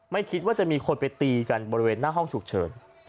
ไม่คิดว่าจะมีคนไปตีกันบริเวณหน้าห้องฉุกเฉิน